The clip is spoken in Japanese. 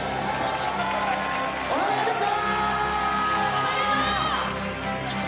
おめでとう！